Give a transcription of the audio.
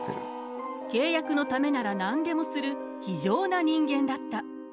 契約のためなら何でもする非情な人間だった。